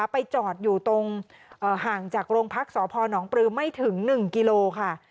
ไปจอดอยู่ตรงห่างจากโรงพักสพนปลือไม่ถึง๑กิโลค่ะ